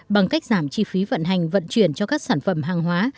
bằng cách giảm chi phí vận hành vận chuyển cho các sản phẩm hàng hóa